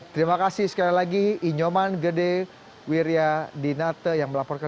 terima kasih sekali lagi inyoman gede wiryadinate yang melaporkan